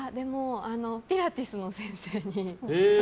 ピラティスの先生に。